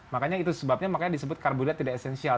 makanya itu sebabnya makanya disebut karbohidrat tidak esensial